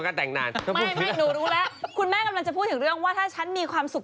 คุณแม่กำลังจะพูดถึงเรื่องว่าถ้าฉันที่มีความสุข